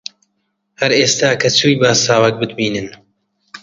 هەر ئێستا کە چووی با ساواک بتبینن